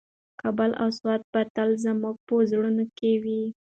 کابل او سوات به تل زموږ په زړونو کې وي.